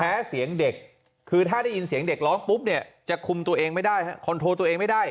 เสียงเด็กคือถ้าได้ยินเสียงเด็กร้องปุ๊บเนี่ยจะคุมตัวเองไม่ได้คอนโทรตัวเองไม่ได้